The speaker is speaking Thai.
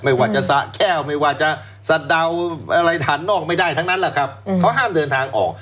ไม่ว่าจะสะแก้วไม่ว่าจะสะเดาอะไรฐานนอกไม่ได้ทั้งนั้นแหละครับเขาห้ามเดินทางออก